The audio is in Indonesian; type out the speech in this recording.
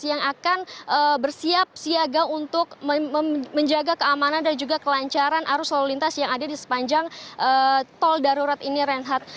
yang akan bersiap siaga untuk menjaga keamanan dan juga kelancaran arus lalu lintas yang ada di sepanjang tol darurat ini reinhardt